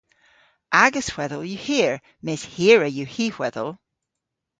Agas hwedhel yw hir mes hirra yw hy hwedhel.